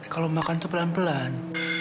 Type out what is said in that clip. kalau makan itu pelan pelan